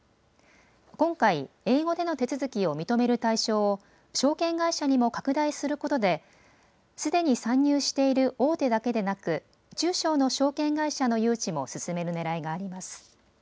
今回、英語での手続きを認める対象を証券会社にも拡大することですでに参入している大手だけでなく中小の証券会社の誘致も進めるねらいがあります。